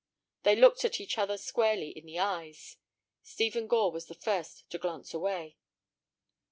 They looked at each other squarely in the eyes. Stephen Gore was the first to glance away.